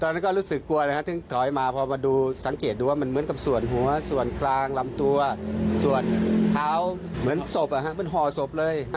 นั้นก็รู้สึกกลัวนะครับถึงถอยมาพอมาดูสังเกตดูว่ามันเหมือนกับส่วนหัวส่วนกลางลำตัวส่วนเท้าเหมือนศพเหมือนห่อศพเลย